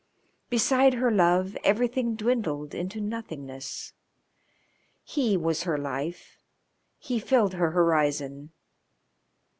Beside her love everything dwindled into nothingness. He was her life, he filled her horizon.